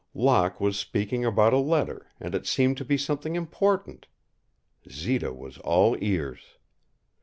Locke was speaking about a letter and it seemed to be something important. Zita was all ears.